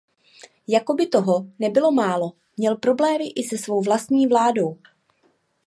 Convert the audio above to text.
Jakoby toho nebylo málo měl problémy i se svou vlastní vládou.